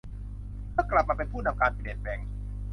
เพื่อกลับมาเป็นผู้นำการเปลี่ยนแปลง